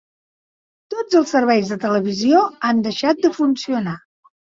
Tots els serveis de televisió han deixat de funcionar.